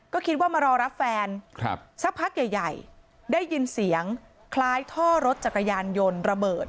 ก็คิดว่ามารอรับแฟนสักพักใหญ่ได้ยินเสียงคล้ายท่อรถจักรยานยนต์ระเบิด